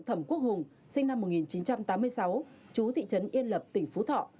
thẩm quốc hùng sinh năm một nghìn chín trăm tám mươi sáu chú thị trấn yên lập tỉnh phú thọ